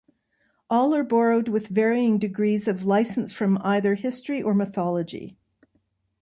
All are borrowed-with varying degrees of licence-from either history or mythology.